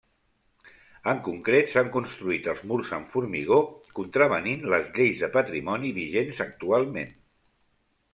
En concret, s'han construït els murs amb formigó, contravenint les lleis de patrimoni vigents actualment.